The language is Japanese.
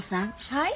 はい？